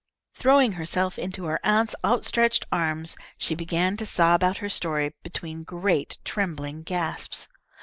Throwing herself into her aunt's outstretched arms, she began to sob out her story between great, trembling gasps.